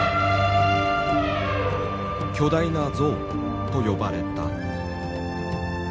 「巨大な象」と呼ばれた。